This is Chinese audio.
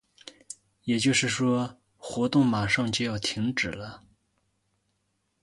也就是说，活动马上就要停止了。